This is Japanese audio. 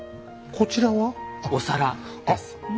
こちらは？お皿です。